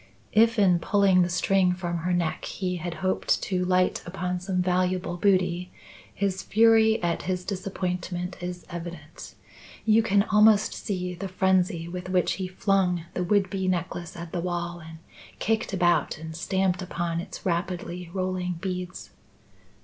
If in pulling the string from her neck he had hoped to light upon some valuable booty, his fury at his disappointment is evident. You can almost see the frenzy with which he flung the would be necklace at the wall, and kicked about and stamped upon its rapidly rolling beads.